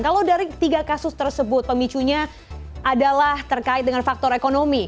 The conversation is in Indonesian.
kalau dari tiga kasus tersebut pemicunya adalah terkait dengan faktor ekonomi